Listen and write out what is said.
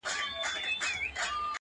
تور قسمت په تا آرام نه دی لیدلی-